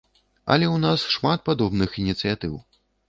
Але ў нас шмат падобных ініцыятыў.